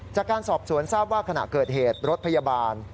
จากการสอบสวนทราบว่าขณะเกิดเหตุรถพยาบาล